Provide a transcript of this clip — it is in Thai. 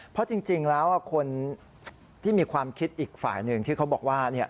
เพราะจริงแล้วคนที่มีความคิดอีกฝ่ายหนึ่งที่เขาบอกว่า